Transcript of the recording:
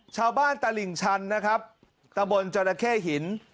ชาวบ้านตาหลิงชันนะครับตะบนจรเข้หิน